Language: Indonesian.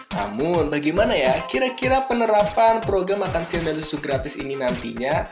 namun bagaimana ya kira kira penerapan program makan siang dan susu gratis ini nantinya